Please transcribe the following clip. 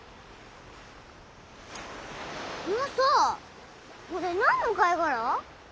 マサこれ何の貝殻？